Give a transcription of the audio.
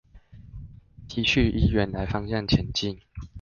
繼續依原來方向前進